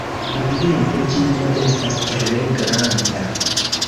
Evidente ĝi ne estas tre granda.